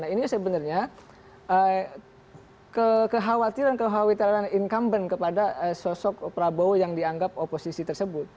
nah ini sebenarnya kekhawatiran kekhawatiran incumbent kepada sosok prabowo yang dianggap oposisi tersebut